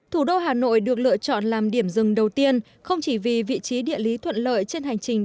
thủ đô hà nội được lựa chọn làm điểm rừng đầu tiên không chỉ vì vị trí địa lý thuận lợi